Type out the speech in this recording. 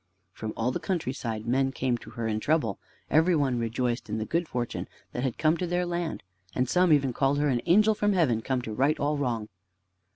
From all the countryside men came to her in trouble. Every one rejoiced in the good fortune that had come to their land, and some even called her an angel from heaven come to right all wrong.